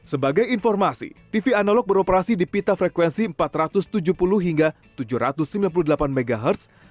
sebagai informasi tv analog beroperasi di pita frekuensi empat ratus tujuh puluh hingga tujuh ratus sembilan puluh delapan mhz